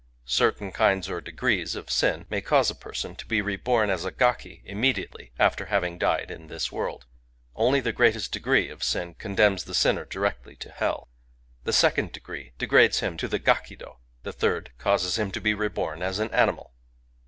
Certain kinds or degrees of sin may cause a person to be reborn as a gaki immediately after having died in this world. Only the greatest degree of sin condemns the sinner directly to hell. The second degree degrades him to the Gakido. The third causes him to be reborn as an animal.